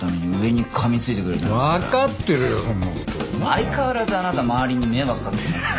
相変わらずあなた周りに迷惑かけてますよね。